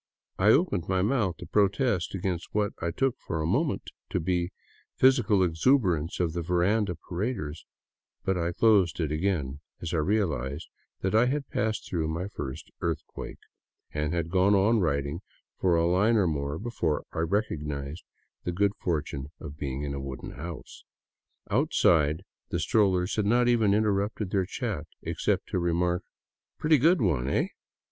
I opened my mouth to protest against what I took for a moment to be physical exuberance of the veranda paraders ; but I closed it again as I realized that I had passed through my first earthquake, and had gone on writing for a line or more before I recog nized the good fortune of being in a vooden house. Outside, the strollers had not even interrupted their chat, except to remark, " Pretty good one, eh?"